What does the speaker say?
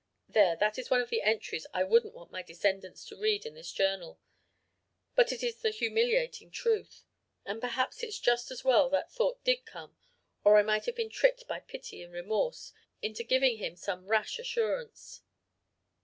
There, that is one of the entries I wouldn't want my descendants to read in this journal. But it is the humiliating truth; and perhaps it's just as well that thought did come or I might have been tricked by pity and remorse into giving him some rash assurance.